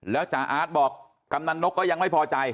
แล้วจ๋าอาร์ตบอกกำนันนกก็ยังไม่พอใจ